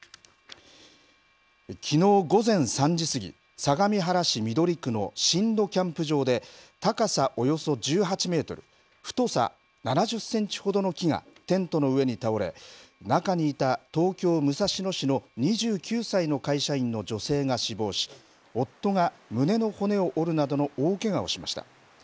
きのう午前３時過ぎ、相模原市緑区の新戸キャンプ場で、高さおよそ１８メートル、太さ７０センチほどの木がテントの上に倒れ、中にいた東京・武蔵野市の２９歳の会社員の女性が死亡し、夫が胸の骨を折るなどの大けがをしました。